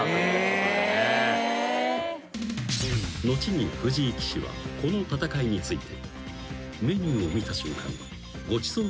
［後に藤井棋士はこの戦いについて］